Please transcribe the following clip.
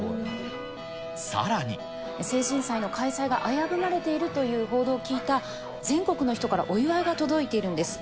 さらに。成人祭の開催が危ぶまれているという報道を聞いた全国の人から、お祝いが届いているんです。